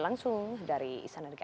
langsung dari isana negara